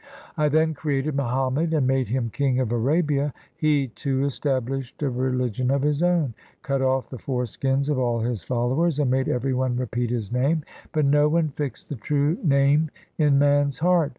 I then created Muhammad, And made him king of Arabia. He too established a religion of his own, Cut off the foreskins of all his followers, And made every one repeat his name ; 2 But no one fixed the true Name in man's heart.